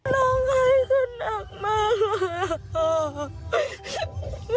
น้องไขคือนักมากว่า